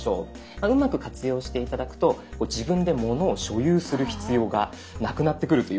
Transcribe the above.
うまく活用して頂くと自分で物を所有する必要がなくなってくるといわれています。